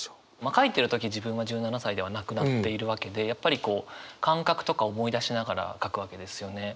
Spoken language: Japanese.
書いてる時自分は１７歳ではなくなっているわけでやっぱり感覚とか思い出しながら書くわけですよね。